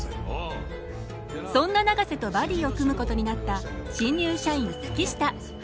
そんな永瀬とバディを組むことになった新入社員月下。